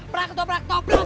brak toh brak toh brak